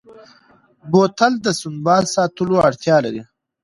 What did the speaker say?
بوتل د سنبال ساتلو اړتیا لري.